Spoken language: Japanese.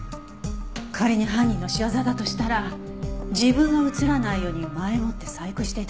仮に犯人の仕業だとしたら自分が映らないように前もって細工していた事になるわね。